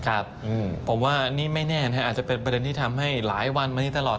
ครับผมว่านี่ไม่แน่นะครับอาจจะเป็นประเด็นที่ทำให้หลายวันมานี้ตลอด